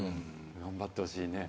頑張ってほしいね。